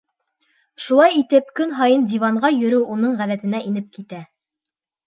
Шулай итеп, көн һайын диванға йөрөү уның ғәҙәтенә инеп китә.